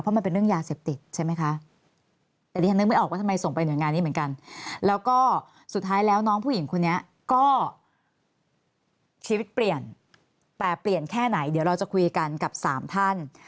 เพราะมันเป็นเรื่องยาเสพติดใช่ไหมคะ